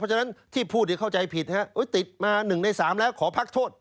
ฉะนั้นที่พูดเข้าใจผิดติดมา๑ใน๓แล้วขอพักโทษ